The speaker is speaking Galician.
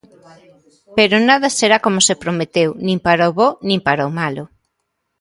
Pero nada será como se prometeu, nin para o bo nin para o malo.